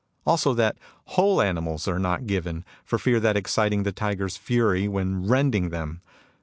Also, that whole animals are not given, for fear of exciting the tiger's fury when rending them